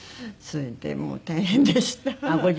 それでもう大変でした。